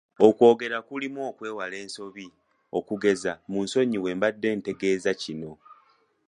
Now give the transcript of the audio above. Okwogera kulimu okwewala ensobi okugeza munsonyiweko mbadde ntegeeza kino.